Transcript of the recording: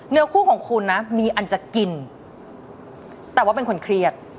เนื้อคู่ของคุณนะมีอันจะกินแต่ว่าเป็นคนเครียด